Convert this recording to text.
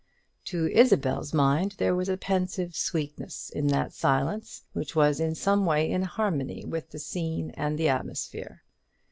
To Isabel's mind there was a pensive sweetness in that silence, which was in some way in harmony with the scene and the atmosphere.